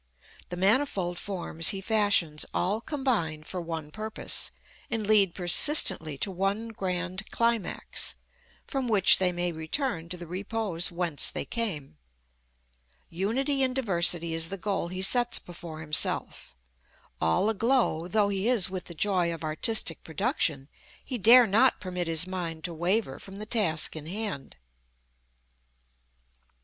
The manifold forms he fashions all combine for one purpose, and lead persistently to one grand climax, from which they may return to the repose whence they came. Unity in diversity is the goal he sets before himself. All aglow though he is with the joy of artistic production, he dare not permit his mind to waver from the task in hand.